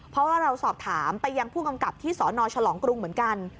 เพราะว่าเราสอบถามไปยังผู้กำกับที่สนฉลองกรุงเหมือนกัน